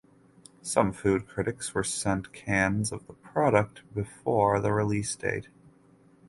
Some food critics were sent cans of the product before the release date.